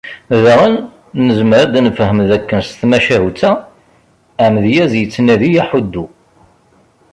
Daɣen, nezmer ad d-nefhem d akken s tmacahut-a, amedyaz ittnadi aḥuddu.